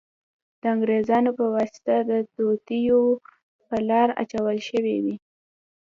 د انګریزانو په واسطه د توطیو په لار اچول شوې وې.